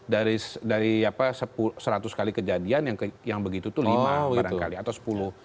dari seratus kali kejadian yang begitu itu lima barangkali atau sepuluh